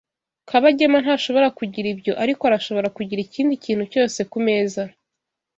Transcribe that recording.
Kabagema ntashobora kugira ibyo, ariko arashobora kugira ikindi kintu cyose kumeza.